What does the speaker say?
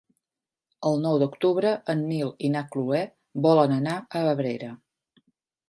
El nou d'octubre en Nil i na Cloè volen anar a Abrera.